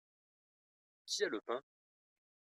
Qui a le pain ?